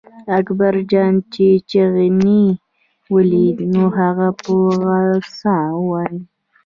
اکبرجان چې چیني ولیده، نو هغه په غپا و.